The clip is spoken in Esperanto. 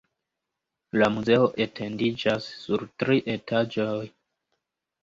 La muzeo etendiĝas sur tri etaĝoj.